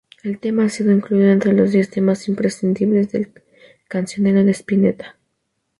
El tema ha sido incluido entre los diez temas imprescindibles del cancionero de Spinetta.